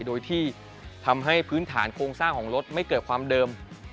โดยที่ทำให้พื้นฐานโครงสร้างของรถไม่เกิดความเดิม